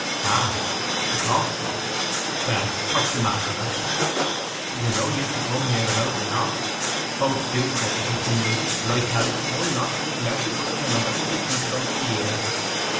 'Ah! I thought so. Well, what's the matter about that? 'Tis no use to come here about the knot—folks do come continually, but I tell 'em one knot is as merciful as another if ye keep it under the ear.